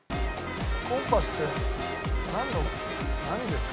コンパスってなんの何で使う？